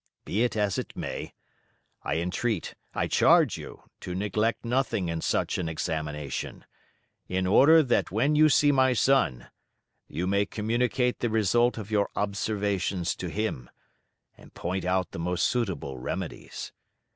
Be it as it may, I entreat, I charge you to neglect nothing in such an examination, in order that when you see my son you may communicate the result of your observations to him, and point out the most suitable remedies.